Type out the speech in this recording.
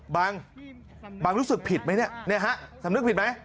บังบังรู้สึกผิดไหมเนี่ยฮะสำนึกผิดไหม